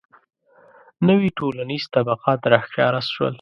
• نوي ټولنیز طبقات راښکاره شول.